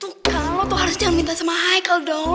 tuh kan lo tuh harus jangan minta sama haikal dong